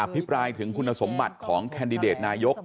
พิปรายถึงคุณสมบัติของแคนดิเดตนายก